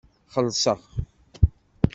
Xellseɣ.